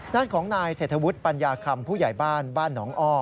ด้านของนายเศรษฐวุฒิปัญญาคำผู้ใหญ่บ้านบ้านหนองอ้อ